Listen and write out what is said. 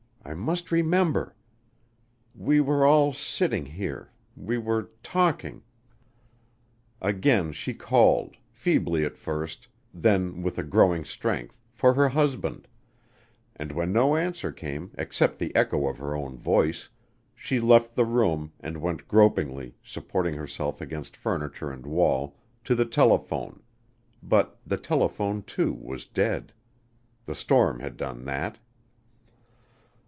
I must remember! We were all sitting here we were talking." Again she called, feebly at first, then with a growing strength, for her husband, and when no answer came except the echo of her own voice, she left the room and went gropingly, supporting herself against furniture and wall, to the telephone but the telephone, too, was dead. The storm had done that.